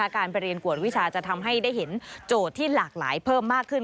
การไปเรียนกวดวิชาจะทำให้ได้เห็นโจทย์ที่หลากหลายเพิ่มมากขึ้น